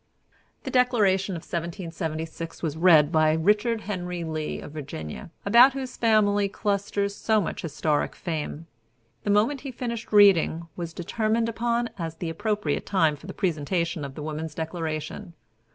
The Declaration of 1776 was read by Richard Henry Lee of Virginia, about whose family clusters so much historic fame. The moment he finished reading was determined upon as the appropriate time for the presentation of the Woman's Declaration.